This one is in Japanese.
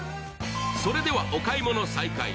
それではお買い物再開。